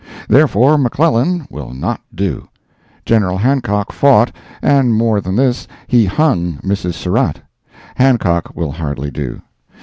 Therefore McClellan will not do. General Hancock fought; and more than this, he hung Mrs. Surratt. Hancock will hardly do.